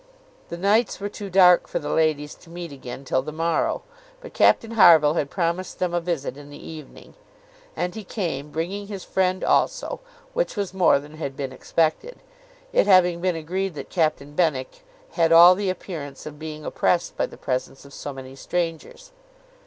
The nights were too dark for the ladies to meet again till the morrow, but Captain Harville had promised them a visit in the evening; and he came, bringing his friend also, which was more than had been expected, it having been agreed that Captain Benwick had all the appearance of being oppressed by the presence of so many strangers.